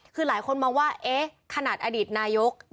คือหลายคนมองว่าเอ๊ะขนาดอดีตนายกรัฐมนตรี